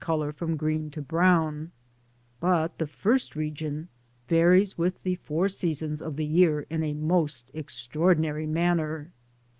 colour from green to brown; but the first region varies with' the four seasons of the year in a most extraordinary man« ner.